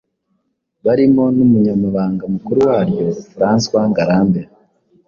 barimo n'umunyamabanga mukuru waryo François Ngarambe